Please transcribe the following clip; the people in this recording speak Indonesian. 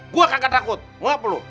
gua kagak takut mau apa lo